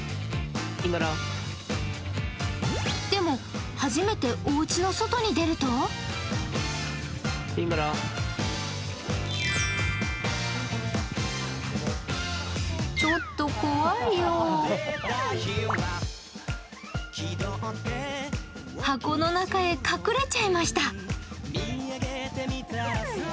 でも初めておうちの外に出ると箱の中へ隠れちゃいました。